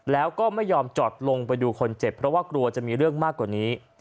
แล้วก็ไม่ยอมจอดลงไปดูคนเจ็บเพราะว่ากลัวจะมีเรื่องมากกว่านี้